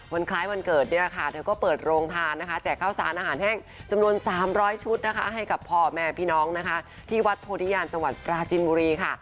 วันคล้ายวันเกิดเธอก็เปิดโรงทานแจกข้าวศาลหาดแห้งจำนวน๓๐๐ชุดให้กับพ่อแม่พี่น้องนะคะที่วัดโพธิญาณจังหวัดปราจินมุรีค่ะ